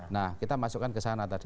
nah kita masukkan